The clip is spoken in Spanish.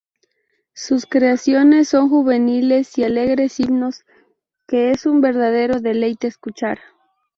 Sus creaciones son juveniles y alegres himnos, que es un verdadero deleite escuchar.